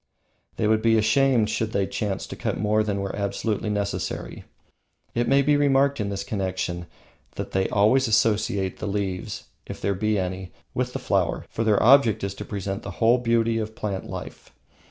They would be ashamed should they chance to cut more than were absolutely necessary. It may be remarked in this connection that they always associate the leaves, if there be any, with the flower, for the object is to present the whole beauty of plant life.